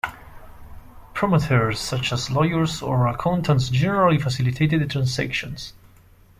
Promoters such as lawyers or accountants generally facilitated the transactions.